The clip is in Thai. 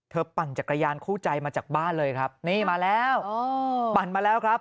ปั่นจักรยานคู่ใจมาจากบ้านเลยครับนี่มาแล้วอ๋อปั่นมาแล้วครับ